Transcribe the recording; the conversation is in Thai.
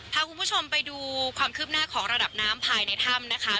พาคุณผู้ชมไปดูความคืบหน้าของระดับน้ำภายในถ้ำนะคะ